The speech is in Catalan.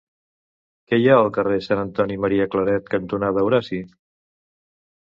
Què hi ha al carrer Sant Antoni Maria Claret cantonada Horaci?